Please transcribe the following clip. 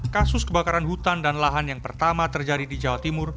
kasus kebakaran hutan dan lahan yang pertama terjadi di jawa timur